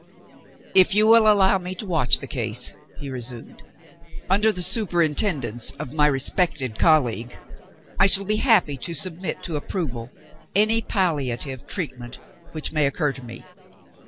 "If you will allow me to watch the case," he resumed, "under the superintendence of my respected colleague, I shall be happy to submit to approval any palliative treatment which may occur to me.